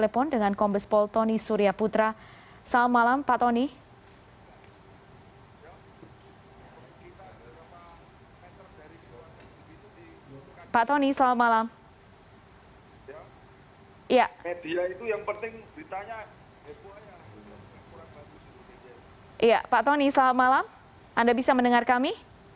pak tony selamat malam anda bisa mendengar kami